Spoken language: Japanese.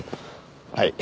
はい。